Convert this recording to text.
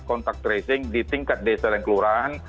kontak tracing di tingkat desa dan kelurahan